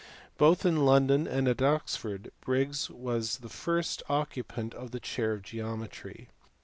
Both in London and at Oxford Briggs was the first occupant of the chair of geometry.